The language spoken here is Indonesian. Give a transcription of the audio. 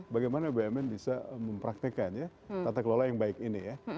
bagaimana bumn bisa mempraktekkan ya tata kelola yang baik ini ya